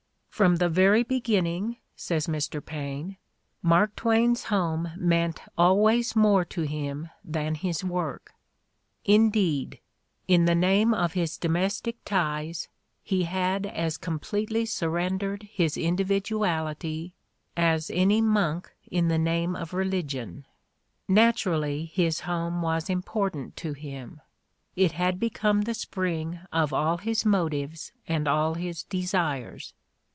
"Prom the very beginning," says Mr. Paine, "Mark Twain's home meant always more to him than his work": indeed, in the name of his domestic ties, he had as completely surrendered his individuality as any monk in the name of religion. Naturally his home was important ta him ; it had become the spring of all his motives and all his desires.